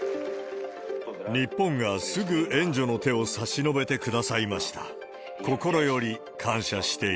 日本がすぐ援助の手を差し伸べてくださいました。